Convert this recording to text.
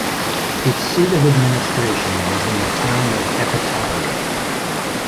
Its seat of administration was in the town of Epitalio.